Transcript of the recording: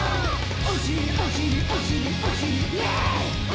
おしりおしりおしりおしりイエッ！